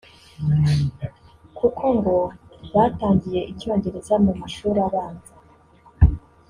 kuko ngo batangiye icyongereza mu mashuri abanza